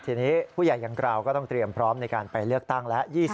ทีนี้ผู้ใหญ่อย่างกราวก็ต้องเตรียมพร้อมในการไปเลือกตั้งแล้ว